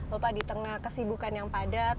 bapak di tengah kesibukan yang padat